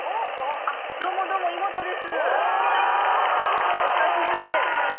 どうもどうもイモトです。